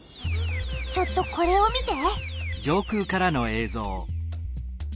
ちょっとこれを見て。